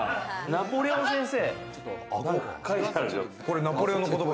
ナポレオン先生。